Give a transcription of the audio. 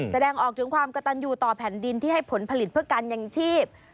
แสดงออกถึงความกระตันอยู่ต่อแผ่นดินที่ให้ผลผลิตเพื่อการยังชีพ